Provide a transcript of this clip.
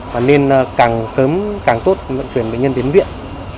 và nên càng sớm càng tốt vận chuyển bệnh nhân đến viện